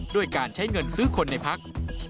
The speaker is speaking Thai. ด้วยการใช้เงินซื้อคนในพัก